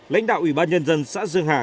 lãnh đạo ủy ban nhân dân xã dương hà